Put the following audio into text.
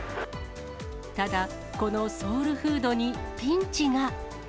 ただ、このソウルフードにピンチが。